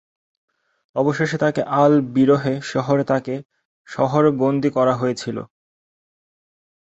অবশেষে তাকে আল-বীরহে শহরে তাকে শহর-বন্দী করা হয়েছিল।